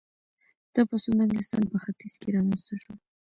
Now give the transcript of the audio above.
دا پاڅون د انګلستان په ختیځ کې رامنځته شو.